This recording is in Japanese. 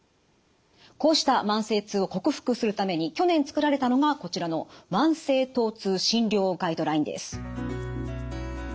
こうした慢性痛を克服するために去年作られたのがこちらの「慢性疼痛診療ガイドライン」です。